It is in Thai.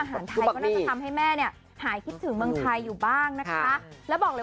อาหารไทยก็น่าจะทำให้แม่หายคิดถึงเมืองไทยอยู่บ้างนะคะ